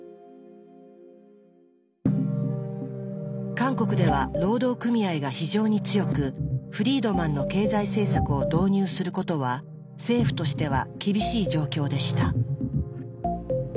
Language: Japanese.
韓国では労働組合が非常に強くフリードマンの経済政策を導入することは政府としては厳しい状況でした。